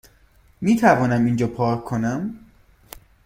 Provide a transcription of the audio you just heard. میتوانم اینجا پارک کنم؟